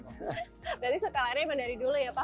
berarti suka lari dari dulu ya pak